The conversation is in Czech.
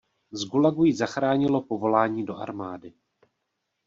Z gulagu ji zachránilo povolání do armády.